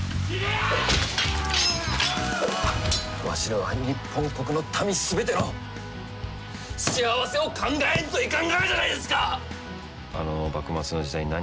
わしらは日本国の民すべての幸せを考えんといかんがじゃないですか！